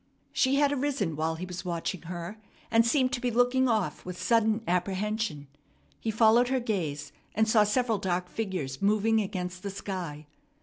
She had arisen while he was watching her, and seemed to be looking off with sudden apprehension. He followed her gaze, and saw several dark figures moving against the sky.